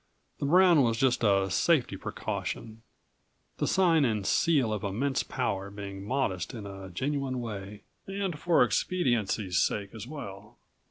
The "Brown" was just a safety precaution the sign and seal of immense power being modest in a genuine way and for expediency's sake as well.